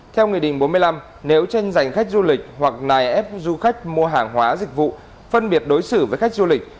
theo nghị định bốn mươi năm nếu tranh giành khách du lịch hoặc nài ép du khách mua hàng hóa dịch vụ phân biệt đối xử với khách du lịch